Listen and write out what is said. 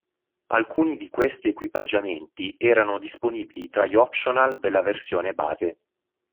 Alcuni di questi equipaggiamenti erano disponibili tra gli "optional" della versione base.